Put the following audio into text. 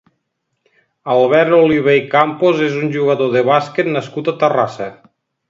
Albert Oliver i Campos és un jugador de bàsquet nascut a Terrassa.